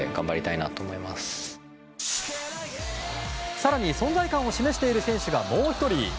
更に存在感を示している選手が、もう１人。